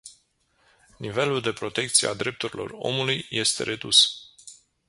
Nivelul de protecție a drepturilor omului este redus.